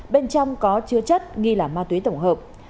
bên trong có chứa chất nghi là ma túy tổng hợp